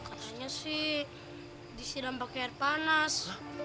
katanya sih disiram pakai air panas